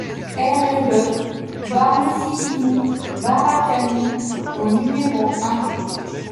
RLE BA MOUSSILIMOU BARAKANI au numéro un